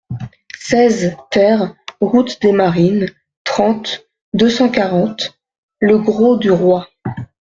seize TER route des Marines, trente, deux cent quarante, Le Grau-du-Roi